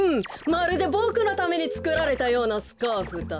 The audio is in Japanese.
まるでボクのためにつくられたようなスカーフだ。